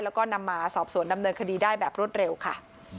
แล้วก็นำมาสอบสวนดำเนินคดีได้แบบรวดเร็วค่ะ